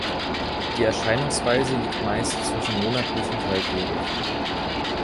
Die Erscheinungsweise liegt meist zwischen monatlich und halbjährlich.